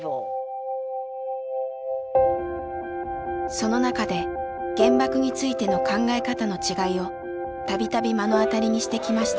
その中で原爆についての考え方の違いを度々目の当たりにしてきました。